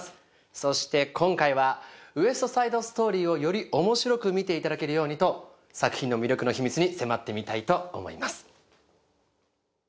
そして今回は「ウエスト・サイド・ストーリー」をより面白く見ていただけるようにと作品の魅力の秘密に迫ってみたいと思います